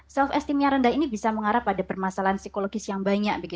self estem yang rendah ini bisa mengarah pada permasalahan psikologis yang banyak